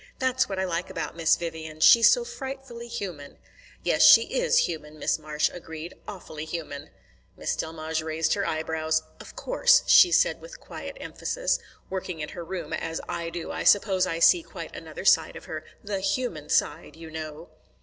That's what I like about Miss Vivian. She's so frightfully human." "Yes, she is human," Miss Marsh agreed. "Awfully human." Miss Delmege raised her eyebrows. "Of course," she said, with quiet emphasis, "working in her room, as I do, I suppose I see quite another side of her the human side, you know."